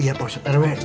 iya pak ust rw